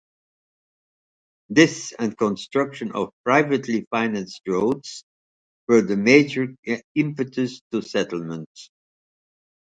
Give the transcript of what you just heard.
This, and construction of privately financed roads, were the major impetus to settlement.